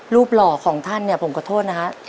หล่อของท่านเนี่ยผมขอโทษนะฮะ